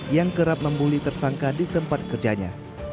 yang kerap membuli tersangka di tempat kerjanya